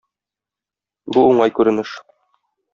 Бу уңай күренеш.